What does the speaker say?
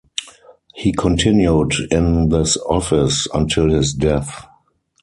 He continued in this office until his death.